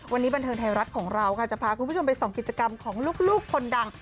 วันนี้บันเทิงไทยรัฐของเราค่ะจะพาคุณผู้ชมไปส่องกิจกรรมของลูกคนดัง